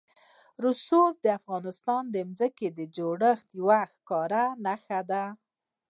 رسوب د افغانستان د ځمکې د جوړښت یوه ښکاره نښه ده.